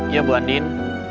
iya bu andien